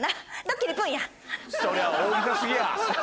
そりゃ大げさ過ぎや！